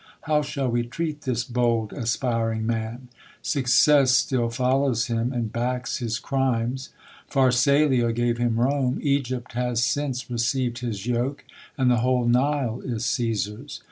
How shall we treat this bold, aspiring man ? Success still follows him, and backs his crimes : Pharsalia gave him Rome^ Egypt has since Receiv'd his yoke, and the whole Nile is Cesar's.